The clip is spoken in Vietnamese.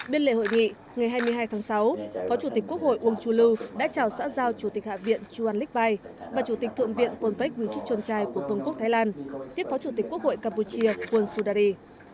biên lệ hội nghị ngày hai mươi hai tháng sáu phó chủ tịch quốc hội uông chu lu đã chào xã giao chủ tịch hạ viện chuan lik pai và chủ tịch thượng viện quân bách nguyên chích chôn trai của vương quốc thái lan tiếp phó chủ tịch quốc hội campuchia quân sudari